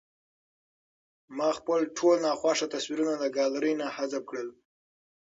ما خپل ټول ناخوښه تصویرونه له ګالرۍ نه حذف کړل.